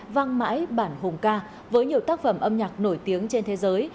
văng mãi bản hùng ca với nhiều tác phẩm âm nhạc nổi tiếng trên thế giới